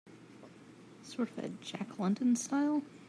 Sort of a Jack London style?